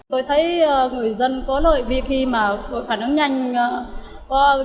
tôi thấy người dân có lợi việc khi mà đội phản ứng nhanh